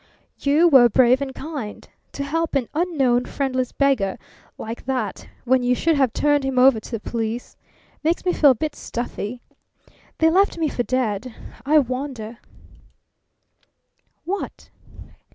"You were brave and kind. To help an unknown, friendless beggar like that, when you should have turned him over to the police! Makes me feel a bit stuffy. They left me for dead. I wonder " "What?"